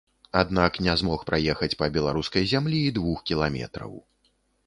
Аднак не змог праехаць па беларускай зямлі і двух кіламетраў.